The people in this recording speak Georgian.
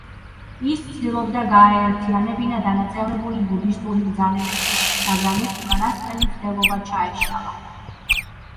ის ცდილობდა გაეერთიანებინა დანაწევრებული ბუდისტური ბრძანებები, მაგრამ ეს უკანასკნელი მცდელობა ჩაეშალა.